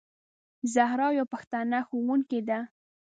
زهرا یوه پښتنه ښوونکې ده.